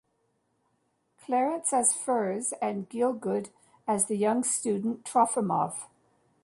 Clarence as Firs and Gielgud as the young student Trofimov.